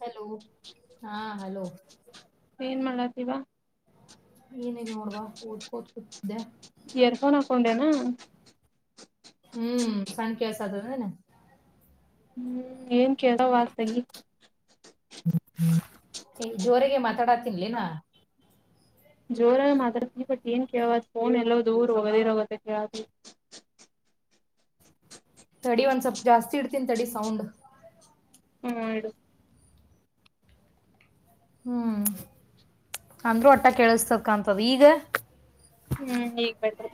Hello ಹಾ hello ಏನ್ ಮಾಡಕ್ಕತ್ತಿ ಅವ್ವ ಏನ ಇಲ್ ನೋಡ್ವಾ ಕಓದ್ ಕೋದ್ ಕೂತಿದ್ದೆ ಇಯರ್ಫೋನ್ ಹಾಕೊಂಡೆನಾ ಹ್ಮ್ ಸಂಖ್ಯಾ ಸಾದನೆನ. ಹ್ಮ್ ಏನ್ ಕೇದವ ತಗಿ. ಏ ಜೋರಾಗೆ ಮಾತನಾಡುತ್ತಿಲೇನ. ಜೋರಗ್ ಮಾತಡತಿ ಬಟ್ ಏನ್ ಕೇಳ ಫೋನ್ ಎಲ್ಲೋ ದೂರ ಹೋಗೋದಿರೋಗತ್ತೆ ತಡಿ ಒಂದ್ ಸ್ವಲ್ಪ್ ಜಾಸ್ತಿ ಇಡ್ತೀನಿ ತಡಿ ಸೌಂಡು ಹು ಇಡು ಹ್ಮ ಅಂದ್ರೂ ಒಟ್ಟ ಕೇಳಿಸ್ತಾದ ಕಾಣ್ತದ ಈಗ. ಹ್ಞೂ ಇಗ್ ಬೆಟ್ರು.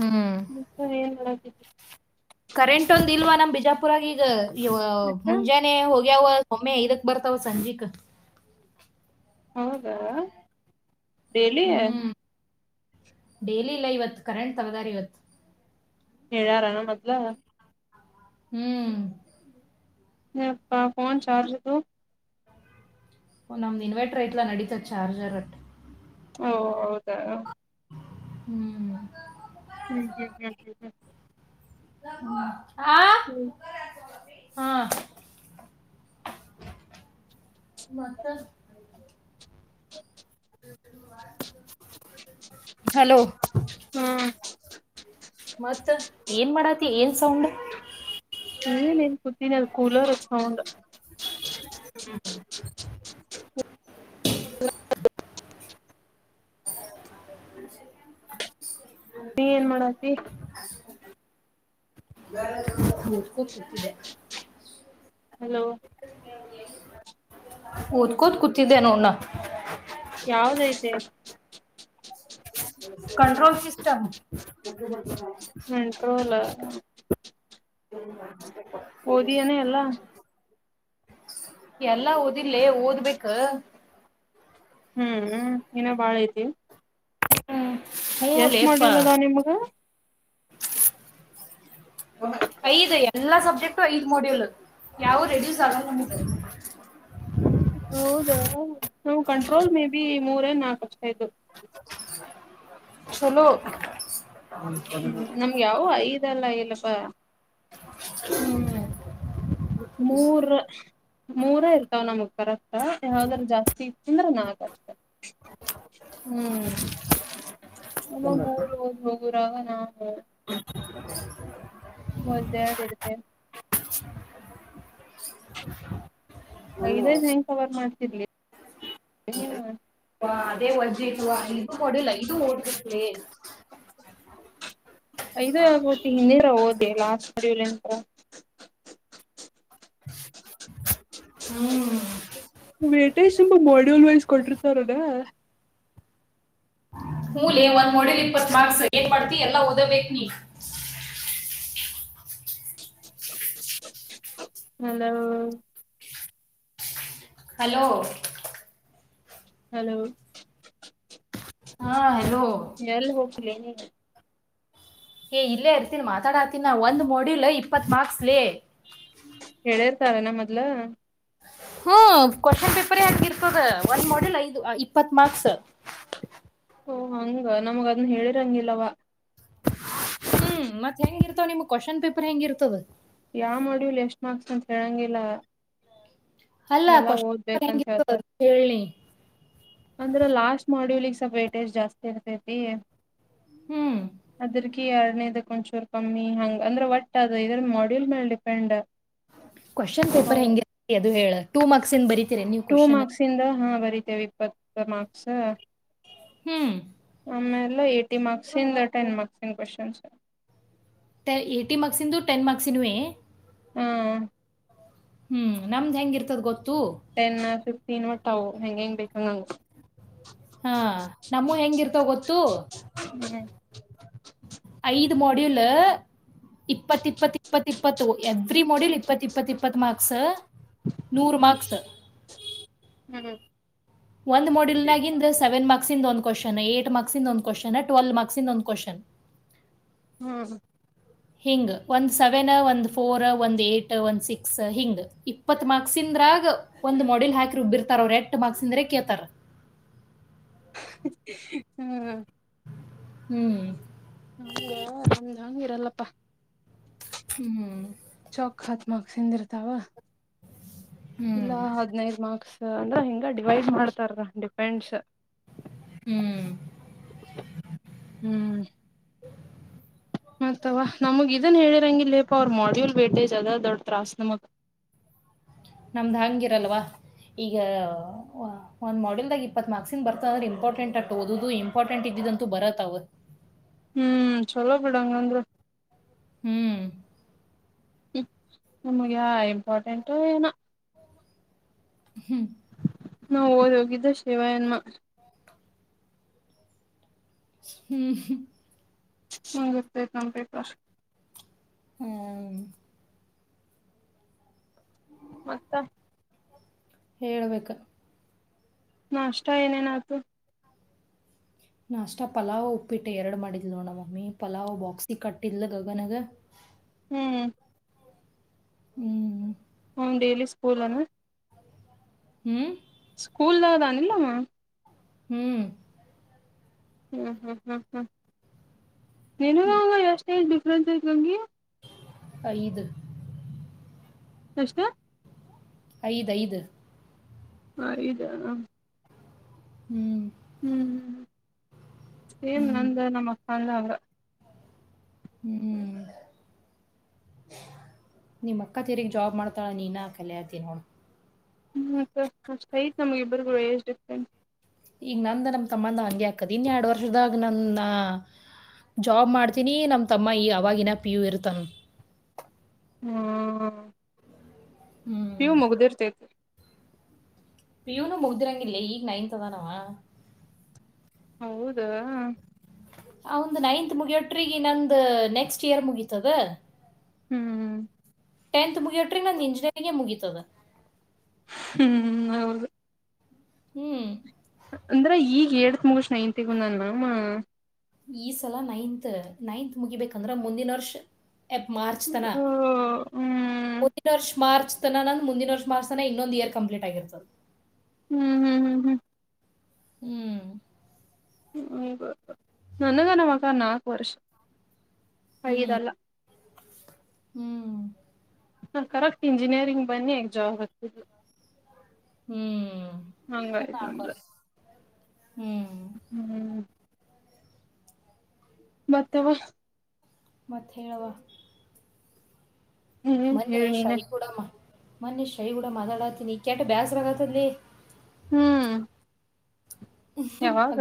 ಹ್ಮ್ [unintelligible] ಏನ್ [unintelligible] ಕರೆಂಟ್ ಒಂದ್ ಇಲ್ವಾ ಲ ಬಿಜಾಪುರಾಗ್ ಈಗ ಯವ್ವ ಮತ್ತ ಮುಂಜಾ ನೆ ಹೋಗ್ಯಾವ ಒಮ್ಮೆ ಐದಕ್ ಬರ್ತಾವ ಸಂಜಿಕ. ಹೌದಾ ಡೇಲಿ. ಡೇಲಿ ಇಲ್ಲ ಇವತ್ತು ಕರೆಂಟ್ ತಗದಾರ್ ಇವತ್ತು. ಎಲ್ಲಾ ರ್ ಅರಾಮ್ ಅದ್ಲ. ಹ್ಮ್ ಏ ಯಪ್ಪಾ ಫೋನ್ ಚಾರ್ಜ ಇಡು. ಓಂ ನಮ್ಮ ಇನ್ವಾಟರೇಟ್ ಐತಲನಡಿತಿದೆ ಚಾರ್ಜರ್ ಆಟ. ಓ ಹೌದಾ ಹ್ಮ್ ಹ್ಞ ಹ್ಞೂ ಹ್ಞ ಹ್ಞ ಹ್ಞ ಹ ಹ್ಞೂ ಹಾ ಮತ್ತೆ. [unintelligible] ಹಲೋ ಹಾ ಮತ್ತ ಏನ್ ಮಾಡತಿ ಏನ್ ಸೌಂಡು. ಏನ್ ಏನ್ ಕುತೀನಿಲ್ ಅದು ಕೂಲರ್ ಹಚಕೊಂಡು. [unintelligible] ನೀ ಏನ್ ಮಾಡತಿ. [unintelligible] ಕುಕ್ಕುತ್ತಿದೆ ಹಲೋ [unintelligible] ಓದ್ಕೋತ್ ಕುೂತಿದ್ದೇ ನೋಡ್ ನಾನ್ ಯಾವ್ದ್ ಐತೆ. Control system. ಕಂಟ್ರೋಲ್ ಓದಿಯನ ಎಲ್ಲಾ ಹ್ಮ [unintelligible] ಎಲ್ಲಾ ಓದಿಲ್ಲೆ ಓದ್ಬೇಕ. ಹ್ಮ್ ಹ್ಮ್ ಏನ ಭಾಳ ಐತಿ. ಹ್ಞೂ ಎಷ್ಟ್ ಲೇಪ ಮಾಡ್ಯುಲ್ ಅದ ನಿಮ್ಗ. ಐದು ಎಲ್ಲಾ ಸಬ್ಜೆಕ್ಟು ಐದ್ ಮಡುಲ್ಲು. ಯಾವ್ದು ರೆಡೂಸ್ ಆಗಲ್ಲ [unintelligible] ಹೌದಾ ನಾವು ಕಂಟ್ರೋಲ್ ಮೇ ಬಿ ಮೂರನ್ ನಾಕು ಅಷ್ಟ ಇದ್ದು. ಚಲೋ ಹ್ಮ್ ನಮ್ಗೆ ಯಾವ್ದ್ ಐದಲ್ಲ ಇಲ್ಲಪ. ಹ್ಮ್ ಮೂರು ಮೂರ ಇರ್ತಾವ ನಮಗ್ ಕರೆಕ್ಟ್ ಯಾವ್ದ್ರ ಜಾಸ್ತಿ ಇ ಅಂದ್ರೆ ನಾಲ್ಕ ಅಷ್ಟೇ ಹ್ಮ್ ನಮ್ಮ ಮೂರು ಹ ಹೋಗೋರಾಗ ನಾವು ಹ [unintelligible] ಮುದ್ದರಡು ಇಡ್ [unintelligible] ಐದೈದು ಹೆಂಗೆ ಕವರ್ ಮಾಡ್ತಿರ್ಲಿ ನೀವು ಹಾ ಅದೇ ಉಜ್ಜಿ ಇದು ಓಡಲ್ಲ ಇದು ಓಡುತೈತೆ ಐದು ಆಬತಿ ಇನ್ನೀರ ಓದೆ ಲಾಸ್ಟ್ ಮಡೂಲ್ ಎಂತ ಹ್ಮ [unintelligible] ವೇಟೇಶ್ ತುಂಬಾ ಮಾಡ್ಯೂಲ್ ವೈಸ್ ಕೊಟ್ಟಿರ್ತಾರ ಅದ ಮೂಲೆ ಒಂದ್ ಮೊಡಲಿ ಇಪ್ಪತ್ ಮಾರ್ಕ್ಸ್ ಏನ್ ಮಾಡ್ತಿ ಎಲ್ಲಾಓದಬೇಕಕ್ ನೀ ಹಲೋ ಹಲೋ ಹಲೋ ಹಾ ಹಲೋ ಎಲ್ಲ ಹೋಗ್ಲೇನೆ ನೀನು ಏ ಇಲ್ಲೇ ಇರ್ತೀನಿ ಮಾತಾಡಾತೀನಿ ಒಂದು ಮ ಮಾಡ್ಯಲ್ ಇಪ್ಪತ್ತು ಮಾರ್ಕ್ಸ್ ಲೇ ಹೇಳಿರ್ತಾರ ನ ಮೊದ್ಲ ಹ್ಮ ಕ್ವಶನ್ ಪೇಪರ ಹಗಿರ್ತದ ಒಂದ ಮಾಡೆಲ್ ಐದು ಇಪ್ಪತ್ ಮಾರ್ಕ್ಸ್ ಓ ಹಂಗ ನಮಗ ಅದನ್ ಹೇಳಿರಂಗಿಲ್ಲವಾ ಹ್ಮ್ ಮತ್ತತ್ ಹೆಂಗ ಇರ್ತಾವ ನಿಮ್ ಕ್ವಶ್ನ್ ಪೇಪರ್ ಹೆಂಗಿರ್ತದ ಯಾವ್ ಮಾಡ್ಯಿವಲ್ ಎಷ್ಟ್ ಮಾರ್ಕ್ಸ್ ಅಂತ ಹೇಳಂಗಿಲ್ಲ ಅಲ್ಲ ಎಲ್ಲಾ ಕ್ವಶನ್ ಪೇಪರ್ ಓದ್ಬೇಕಂತ ಹೆಂಗಿರ್ತದ ಹೇಳ್ತಾರೆ ಅದ್ ಹೇಳಿ ಅಂದ್ರ ಲಾಸ್ಟ್ ಮಾಡ್ಯೂಲ್ಗ್ ಸ್ವಲ್ ವೇಟೇಜ್ ಜಾಸ್ತಿ ಇರ್ತೈತಿ ಹ್ಮ್ ಅದ್ರಕ ಎರಡನೇದ ಒಂಚೂರು ಕಮ್ಮಿ ಹಂಗ ಅಂದ್ರೆ ಒಟ್ಟ ಅದು ಇದ್ರ ಮಾಡ್ಯೂಲ್ ಮೇಲ್ ಡಿಪೆಂಡ್ ಕ್ವಶನ್ ಹೌ ಪೇಪರ್ ಹೆಂಗಿರಿ ಅದು ಹೇಳ ಟೂ ಮಾರ್ಕ್ಸ್ ನ್ ಬರೀ ಟೂ ಮಾರ್ಕ್ಸಿಂದ ಹಾ ಬರಿತೇವೆ ಇಪ್ಪತ್ತು ಮಾರ್ಕ್ಸ್ ಹ್ಮ್ ಆಮೇಲೆ ಏಯ್ಟಿ ಮಾರ್ಕ್ಸಿಂದ ಟೆನ್ ಮಾರ್ಕ್ಸಿನ ಕ್ವೆಶನ್ಸ್ ಟಯ್ಟಿ ಮಾರ್ಕ್ಸಂದು ಟೆನ್ ಮಾರ್ಕ್ಸಿನವೇ ಹ್ಮ್ ಹ್ಮ್ಮ್ ನಮ್ದ್ ಹೆಂಗ ಇರ್ತದ ಗೊತ್ತು? ಟೆನ್ ಫಿಫ್ಟೀನ್ ಒಟ್ಟಾ ಅವು ಹೆಂಗ್ ಹೆಂಗ್ ಬೇಕ ಹಂಗಾಂಗ ಹಾ ನಾಮವು ಹೆಂಗಿರ್ತಾವ ಗೊತ್ತು? ಹ್ಮ [unintelligible] ಐದು ಮಾಡ್ಯೂಲಾ... ಇಪ್ಪತ್ ಇಪ್ಪತ್ ಇಪ್ಪತ್ ಇಪ್ಪತ್ತು ಎವ್ರಿ ಮೋಡಿಲ್ ಇಪ್ಪತ್ ಇಪ್ಪತ್ ಇಪ್ಪತ್ತು ಮಾರ್ಕ್ಸ್ ನೂರ ಮಾರ್ಕ್ಸ್! ಹ್ಮ್ ಹ್ಮ [inaudible] ಒಂದ್ ಮಾಡೆಲ್ನಾಗಿಂದು ಸೆವೆನ್ ಮಾರ್ಕ್ಸ್ ಇಂದ್ ಒಂದ್ ಕ್ವಶ್ನ್ ಏಟ್ ಮಾರ್ಕ್ಸ ಇಂದ್ ಒಂದ್ ಕ್ವಶ್ನ್ ಟ್ವಾಲ್ ಮಾರ್ಕ್ಸಿಂದ ಒಂದ್ ಕ್ವಶ್ನ್. ಹ್ಮ್ [inaudible] ಹಿಂಗ ಒಂದ್ ಸೆವೆನ್ ಒಂದ್ ಫೋರ್ ಒಂದ್ ಏಟ್ ಒಂದ್ ಸಿಕ್ಸ್ ಹಿಂಗ್ ಇಪ್ಪತ್ ಮಾರ್ಕ್ಸಿಂದ್ರಗ. ಒಂದ್ ಮಾಡಿಲ್ ಹಾಕಿ ರುಬ್ಬೀರ್ತಾರೆ ಅವರ್ ಎಂಟ್ ಮಾರ್ಕ್ಸ್ ಅಂದ್ರೆ ಕೇಳ್ತಾರ ಹ್ಮ್... ಹು... [unintelligible] ಹೆ ಹಂಗ್ ಹಂಗ್ ಇರಲ್ಲಪ್ಪಾ! ಹ್ಮಞ [inaudible] ಚೌಕ್ ಹಾತ್ ಮಕ್ ಸಿದಿ ಇರ್ತಾವ ಇಲ್ಲ ಹ್ಮ್ ಹದ್ನೈದ ಮಾರ್ಕ್ಸ್ ಅಂದ್ರ ಹಿಂಗ ಡಿವೈಡ್ ಮಾಡ್ತಾರ ಡಿಪೆಂಡಟ್ಸ್ ಹ್ಮ್ ಹ್ಮ್ ಮತ್ತತ್ವ ನಮಗ್ ಇದನ್ ಹೇಳಿರಂಗಿಲ್ಲೇಪ್ಪಾ ಅವ್ರ ಮಾಡ್ಯೂಲ್ ವೇಟೇಜ್ ಅದ್ ದೊಡ್ ತ್ರಾಸಸ್ ನಮಗ್ ನಮ್ದು ಹಿರಲ್ವಾ ಈಗ ಒಂದ್ ಮಾಡೆಲ್ದಾಗ ಇಪ್ಪತರ್ಕ್ಸನ್ ಬರ್ತದಂದ್ರೆ ಇಂಪಾರ್ಟೆಂಟ್ ಅಟ್ ಓದದು ಇಂಪಾರ್ಟೆಂಟ್ ಇದಿದ ಅಂತ ಬರತ್ ಅವವು ಹ್ಮ್ ಚಲೋ ಬಿಡಂಗ ಅಂದ್ರ ಹ್ಮ್ ಹ ನಮ್ಗೆ ಇಂಪಾರ್ಟೆಂಟ ಏನ ಹ್ಮ್ ನಾವು ಓದ ಹೋಗಿದ್ದ ಶಿವಯಮ್ಮ ಹ್ಮ್ ಹರ್ತ್ತತ ನಮ್ಮ ಪೇಪರ್ ಹ್ಮ ಮತ್ತ ಹೇಳ್ಬೇಕು ನಾ ಅಷ್ಟ ಏನೇನ ಆತು ನಾ ಅಷ್ಟ ಪಲಾವ್ ಉಪ್ಪಿಟ್ಟೆ ಎರಡು ಮಾಡಿದ್ ನೋಣ ಮಮ್ಮಿ ಪಲಾವ್ ಬಾಕ್ಸಿಗೆ ಕಟ್ಟಿದ್ಲ ಗಗನಗ ಹ್ಞ ಹ್ಮ್ ಹ್ಞ ಡೇಲಿ ಸ್ಕೂಲ್ನ್ ಹ್ಮ ಸ್ಕೂಲ್ದದಾನ ಇಲ್ಲಮ್ಮ್ ಹ್ಮ್ ಹ್ಞೂ ಹ್ಞೂ ಹ್ಞೂ ಹ್ಞೂ ನೀನು ಎಷ್ಟು ಎಷ್ಟು ಡಿಫ್ರೆನ್ಸ್ ಇಂಗಗೆ ಐದು ಎಷ್ಟತೆ ಐದ ಐದು ಹಾ ಇ ಹ್ಮ್ ಹ್ಮ್ ಹ್ಞೂ ಏನ್ ನಂದ ನಮ್ಮಕ್ಕಲ್ಲ ಅವ್ರ ಹ್ಮ್ ನಿಮ್ ಅಕ್ಕ ತೆರಿಗ್ ಜಾಬ್ ಮಾಡ್ತಾಳ ನೀನ ಕಲಯ್ತೀ ನೋ ಹ್ಞ ಅಷ್ಟು ಐ್ತ ನಮ್ಗೆ ಇಬ್ಬರುಗಳು ಏಜ್ ಡಿಫ್ರೆಂಟ್ ಈಗ ನಂದ ನಮ್ಮ ತಮ್ಮಂದ ಹಂಗೆ ಆಾಕದ ಇನ್ನೆರಡು ವರ್ಷದಾಗ ನನ್ನ ಜಾಬ್ ಮಾಡ್ತೀನಿ ನಮ್ಮ ತಮ್ಮ ಈ ಅವವಾಗಿನ ಪಿ ಯು ಇರ್ತಾನ ಹ್ಮ್ ಹ್ಮ್ ನೀವು ಮುಗ್ದಿರ್ತೈತಿ ಪೂನು ಮುಗ್ದಿರಂಗಿಲ್ಲ ಈಗ ನೈನ್ತ್ ಅದಾನವ ಹೌದಾ ಅವಂದ್ ನೈನ್ತ್ ಮುಗಿಯೋಟ್ರಿಗ ನಂದು ನೆಕ್ಸ್ಟ್ ಇಯರ್ ಮುಗೀತದ ಹ್ಮ್ ಟೆಂತ್ ಮುಗಿಯೋ್ರಿ ನನ್ನ ಇಂಜಿಯರಿಂಗಗೆ ಮುಗಿತತದ ಹ್ಮ್ ಹೌದು ಹ್ಮ್ ಅಂದ್ರ ಈಗ ಏಟತ್ ಮುಗಷ ನೈನತಿಗಂದನ್ ಬಂಧನ ಅವ್ವ ಈ ಸಲ ನೈನ್ತ್ ನೈನ್ತ್ ಮುಗಿಬೇಕಂದ್ರೆ ಮುಂದಿನ ವರ್ಷ ಎಬ್ ಮಾರ್ಚತನ ಹ್ಮ್ ಹ್ಮ್ ಮುಂದಿನ ವರ್ಷ ಮಾರ್ಚ್ ತನ ನಂದ ಮುಂದಿನ ವರ್ಷ ಮಾರ್ಚ್ ತನ ಇನ್ನೊಂದು ಇಯರ್ ಕಂಪ್ಲೀಟ್ಗಿರ್ತದೆ ಹ್ಮ್ ಹ್ಮ್ ಹ್ಮ್ ಹ್ಮ್ ಹ್ಮ್ ಹ ನನಗ ನಮ್ಮ ಅಕ್ಕಾಗ ನಾಲ್ಕು ವರ್ಷ ಐದ ಹ್ಮ್ ಅಲ್ಲ ಹ್ಮ್ ಹಾ ಕರೆಕ್ಟ್ ಇಂಜಿನಿಯರಿಂಗ್ ಬನ್ನಿ ಜಾಬ್ ಆತದ ಹ್ಮ್ ಇನ್ನೂ ಹಂಗಾಯ್ತ್ ನಾಲ್ಕ ನಮ್ದ ವರ್ಷ ಹ್ಮ್ ಹ್ಮ್ ಮತ್ತೇವ ಮತ್ತ ಹೇಳವ್ವ ಹ್ಮ್ ಹೇಳ ಮೊನ್ನೆ ನೀನ ಶಾವಿ ಕೂಡ ಮೊನ್ನೇ ಶ್ಯಾವಿ ಕೂಡ ಮಾತಾಡಾತೀನಿ ಕೆಟ್ಟ ಬ್ಯಾಸರಾಗಕಂತಂತಲೆ ಹ್ಮ್ ಯಾವಾಗ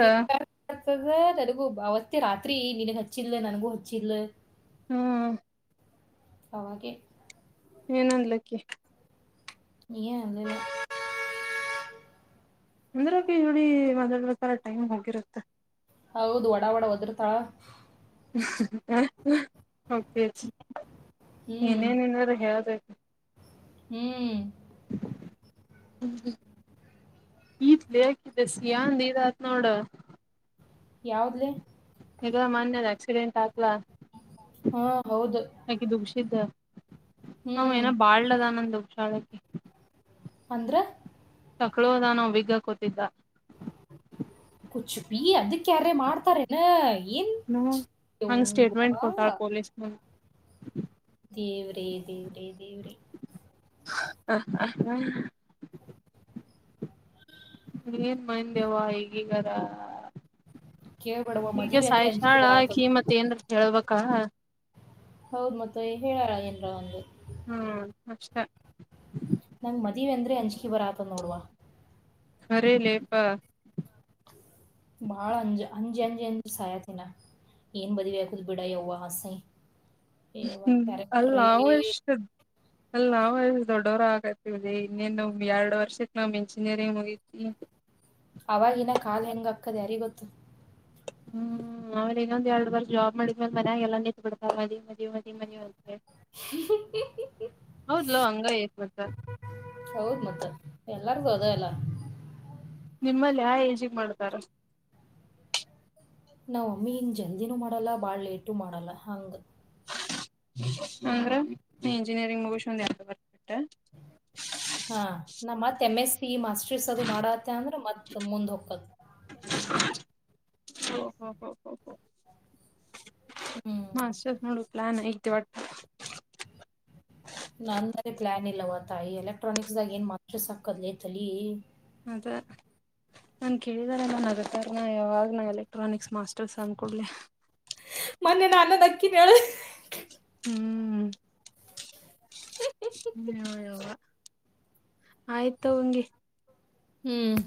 ಆತದ ನನಗೂ ಅವತ್ತೆ ರಾತ್ರಿ ನಿನಗ್ ಹಚ್ಚಿಲ್ಲಲ ನನ್ಗೂ ಹಚ್ಚಿಲ್ಲ ಹ್ಮ್ ಅವಾಗೆ ಏನೊಂದ್ಲಕ್ಕಿ ನೀ ಒ ಅಂದ್ರ ಇಿ ಮಾದ ಪ್ರಕಾರರ ಟೈಮ್ ಹೋಗಿರುತ್ತೆ ಹೌದು ಒಡ ಒಡ ಒದರ್ತಾಳ ಕೆ ಹ್ಮ್ ಏನೇನ ಏನಾರ ಹೇಳದತಿ ಹ್ಮ್ ಹ ಈತ್ಲ ಹಾಕಿದೆ ಸಿ ಅಂದ ಇದ ಆತ್ ನೋಡ ಯಾವುದಲೇ ಈಗ ಮೊನ್ನೆ ಅದ ಆಕ್ಸಿಡೆಂಟ್ ಆಯ್ತಲ್ಲ ಹಾ ಹೌದು ಆಕಿ ದುಗ್ಸಿದ್ದ ಅವ ಹ್ಮ್ ಏನ ಬಾಳ್ಲದ ನಂದ ದುಗ್ಸಾಳಕಿ ಅಂದ್ರ ಟಕಲು ಅದಾನ್ ಅವ ವಿಗ್ ಹಾಕೋತಿದ್ದ ಕುಚುಪಿ ಅದಕ್ಕೆ ಯಾರೆ ಮಾಡ್ತಾರನ ಏನ ಹಂಗ್ ಸ್ಟೇಟ್ಮೆಂಟ್ ಕೊಟ್ಟಾಳ ಯವ್ವ ಪೊಲೀಸ್ ಮುಂದ್ ದೇವ್ರೇ ದೇವ್ರೇ ದೇವ್ರೇ ಹ ಹ ಹ ಏನ್ ಮೈಂಡ ವಾ ಈಗೀಗರ ಕೇಳ್ಬೇಡವ ಈಗ ಮದಿವೆ ಅಂದ್ರೆ ಅಂಜಿಕೆ ಸಾಯಿಷಾಳಕಿ ಬರಾತದ ಮತ್ತೆ ಏನ್ರ ಹೇಳ್ಬೇಕ ಹೌದ ಮತ್ತ ಹೇಳಲ ಏನರ ಒಂದು ಹಾ ಅಷ್ಟ ನಂಗ್ ಮದ್ವೆ ಅಂದ್ರೆ ಅಂಜುಕಿ ಬರ ಆತ ನೋಡುವ ಬರೀಲೇಪ್ಪ ಬಾಳ ಅಂಜ ಅಂಜ ಅಂಜ ಅಂಜ ಸಾಯತಿನ ಏನ್ ಮದುವೆ ಆಗ ಬಿಡುವ ಅಸೈ ಯವ್ವ ಹ್ಮ ಅಲ್ಲ ಕ್ಯಾರೆಕ್ಟ್ರೇ ನಾ ಎಷ್ಟ ಅಲ್ಲಿ ನಾವವುಲ್ಲಿ ದೊಡ್ಡವರು ಆಗತವಿ ಇನ್ನೇನ್ ಎರಡ್ ವರ್ಷ ನಮ್ ಇಂಜಿನಿಯರಿಂಗ್ ಮುಗೀತ್ ಹ್ಮ್ ಅವವಾಗಿನ ಕಾ ಹೆಂಗ ಹಾಕದೆ ಅರಿ ಗೊತ್ತು ಹ್ಮ್ ಹ್ಮ ಆಮೇಲೆ ಇನ್ನೊಂದ ಎರಡು ವರ್ಷ ಜಾಬ್ ಮಾಡಿದ ಮೇ ಮಯಾಗಲ್ಲ ನಿಂತತ್ ಬಿಡ್ತಾ ಮವಿ ಹೌದಲ ಹಂಗ ಏ ಮತ್ತ ಹೌದ ಮತ್ತ ಎಲ್ಲಾರು ಹೋದ ಎಲ್ಲ ನಿಮ್ಮಲ್ಲಿ ಯಾವ ಏಜಿಗೆ ಮಾಡ್ತಾರ ನಾವ್ ಮಿನ್ ಜಲ್ದಿನು ಮಾಡಲ್ಲ ಮಾಡಲ್ಲೆಯಿದ್ದರು ಮಾಡಲ್ಲ ಹಾಂಗ್. ಅಂದ್ರ ನೀ ಇಂಜಿನಿಯರಿಂಗ್ ಮುಗಿಸಿ ಒಂದ ಎರಡು ಪೇಪರ್ ಬಿಟ್ರ. ಹ ನಮ್ಮ K ಮ್ಮೆ S PU master. Miss ಅದನ್ನು ಮಾಡಲತ್ತಿ ಅಂದ್ರ ಮತ್ತು ಮುಂದ ಹೊಕತ್ತ. ಓಹೋಹೋಹೋ. ಹ್ಞೂ ಮಾಸ್ಟರ್ ನೋಡು ಪ್ಲಾನ್ ಐತಿ ಇವತ್ತ. ನಂದರ ಇಲ್ಲಿ ಪ್ಲಾನ್ ಇಲ್ಲವ ತಾಯಿ ಎಲೆಕ್ಟ್ರಾನಿಕ್ಸ್ ದಾಗ ಏನ್ ಮಕ್ಕಳ ಸಾಕದ ಏ ಕಲಿ. ಮತ್ತ. ನನ್ನ ಕೇಳಿದ್ದೋರು ಎಲ್ಲರು ನಗತ್ತಾರ ನಾ ಯಾವಾಗಲೂ ಎಲೆಕ್ಟ್ರಾನಿಕ್ಸ್ ಮಾಸ್ಟರ್ಸ್ ಅಂದ ಕೊಡ್ಲೆ. ಮೊನ್ನೆ ನಾನು ನಕ್ಕಿನ. ಹ್ಮ ಹ್ಮ ಯವಾ ಯವಾ. ಆಯ್ತು ನೀ. ಹ್ಮ್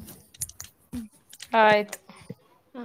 ಆಯ್ತು. ಹಾ.